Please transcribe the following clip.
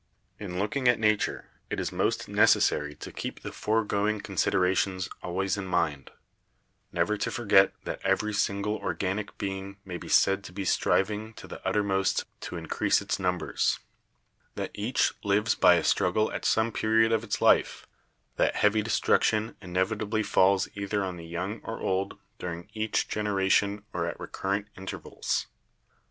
"In looking at Nature, it is most necessary to keep the foregoing considerations always in mind — never to forget that every single organic being may be said to be striving to the utmost to increase in numbers ; that each lives by a struggle at some period of its life; that heavy destruction inevitably falls either on the young or old during each generation or at recurrent intervals.